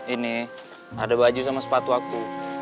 ini ada baju sama sepatu aku